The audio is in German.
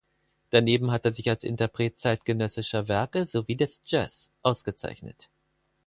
Daneben hat er sich als Interpret zeitgenössischer Werke sowie des Jazz ausgezeichnet.